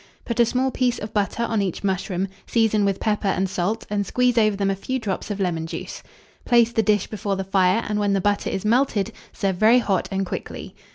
Put a small piece of butter on each mushroom, season with pepper and salt, and squeeze over them a few drops of lemon juice. Place the dish before the fire, and when the butter is melted, serve very hot and quickly.